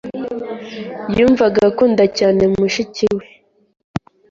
Yumvaga akunda cyane mushiki we.